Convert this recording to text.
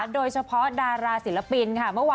โดยเฉพาะดาราศิลปินค่ะ